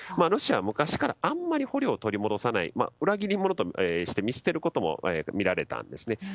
ロシアは昔からあまり捕虜を取り戻さなくて裏切り者として見捨てることもみられたんです。